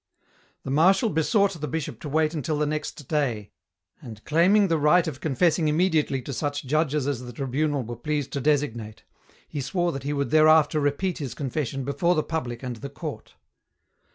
The Marshal besought the Bishop to wait until the next day, and claiming the right of confessing immediately to such judges as the Tribunal were pleased to designate, he swore that he would thereafter repeat his confession before the public and the court.